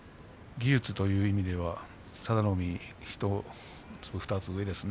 技術という面では佐田の海が１つ２つ上ですね。